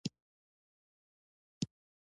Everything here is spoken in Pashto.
دا ښار د فلسطیني ادارې په ساحه کې شامل دی.